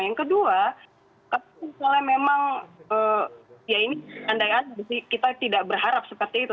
yang kedua kalau misalnya memang ya ini andai andai kita tidak berharap seperti itu